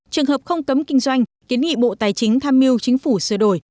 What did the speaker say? trường hợp không cấm kinh doanh kiến nghị bộ tài chính tham mưu chính phủ sửa đổi